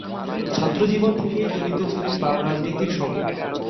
ছাত্রজীবন থেকেই জড়িত ছিলেন বাম রাজনীতির সঙ্গে।